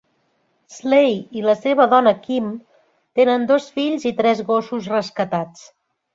Slay i la seva dona Kim tenen dos fills i tres gossos rescatats.